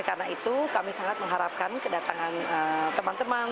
karena itu kami sangat mengharapkan kedatangan teman teman